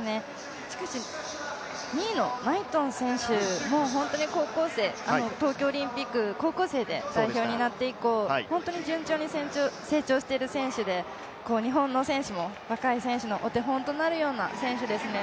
２位のナイトン選手も東京オリンピック、高校生で代表になって以降、本当に順調に成長している選手で、日本の選手も若い選手のお手本となるような選手ですね。